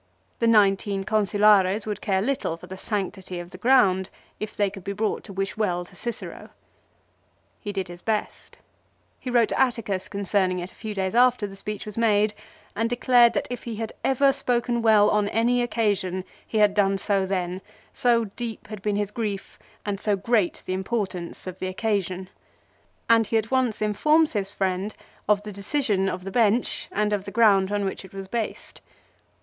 The nineteen Consulares would care little for the sanctity of the ground if they could be brought to wish well to Cicero. He did his best. He 14 LIFE OF CICERO. wrote to Atticus concerning it a few days after the speech was made, and declared, that if he had ever spoken well on any occasion he had done so then, so deep had heen his grief, and so great the importance of the occasion, 1 and he at once informs his friend of the decision of the Bench and of the ground on which it was based.